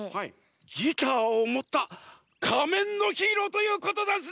ギターをもったかめんのヒーローということざんすね！